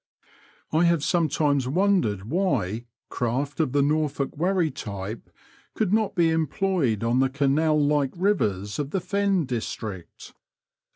I have sometimes wondered why craft of the Norfolk wherry type could not be employed on the canal like rivers of the Fen districc.